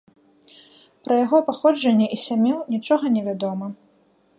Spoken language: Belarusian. Пра яго паходжанне і сям'ю нічога не вядома.